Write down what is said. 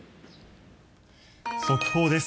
速報です。